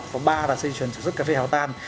và ba là dây chuyền sản xuất cà phê hào tan